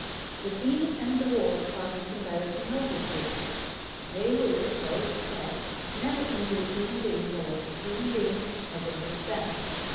The bee and the wasp are in comparison noble creatures. They will, so it is said, never injure a human being unless a human being has injured them.